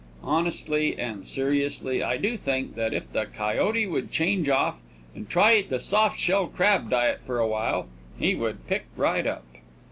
Honestly and seriously, I do think that if the coyote would change off and try the soft shell crab diet for a while, he would pick right up.